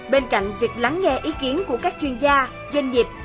bên cạnh việc lắng nghe ý kiến của các chuyên gia doanh nghiệp